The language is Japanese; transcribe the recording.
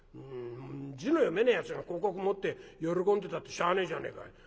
字の読めねえやつが広告持って喜んでたってしゃあねえじゃねえか。